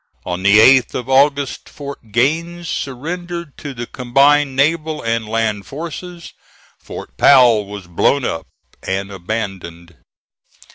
On the 8th of August, Fort Gaines surrendered to the combined naval and land forces. Fort Powell was blown up and abandoned.